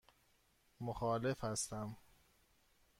مخالف هستم.